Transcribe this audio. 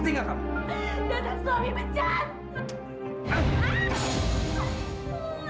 datang suami mereka becan